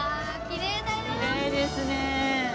きれいですね。